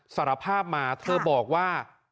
สารภาพมาเธอบอกว่า